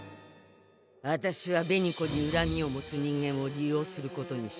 あたしは紅子にうらみを持つ人間を利用することにした。